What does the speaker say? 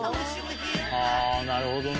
「ああなるほどね」